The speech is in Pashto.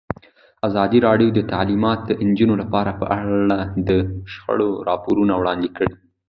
ازادي راډیو د تعلیمات د نجونو لپاره په اړه د شخړو راپورونه وړاندې کړي.